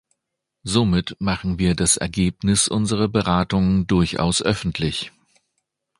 Somit machen wir das Ergebnis unserer Beratungen durchaus öffentlich.